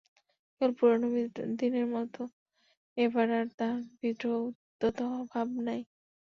কেবল পুরানো দিনের মতো এবার আর তাহার বিদ্রোহী উদ্ধত ভাব নাই।